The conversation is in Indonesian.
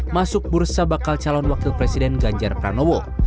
masuk bursa bakal calon wakil presiden ganjar pranowo